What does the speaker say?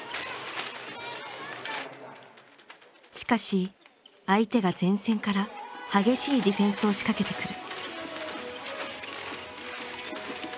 しかし相手が前線から激しいディフェンスを仕掛けてくる。